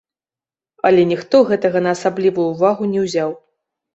Але ніхто гэтага на асаблівую ўвагу не ўзяў.